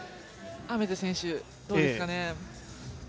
愛芽世選手、どうですかね。